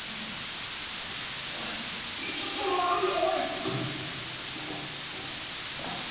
おい五つもあるよ！